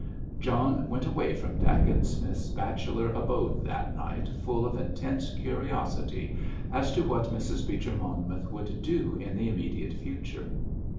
John went away from Dacent Smith's bachelor abode that night full of intense curiosity as to what Mrs. Beecher Monmouth would do in the immediate future.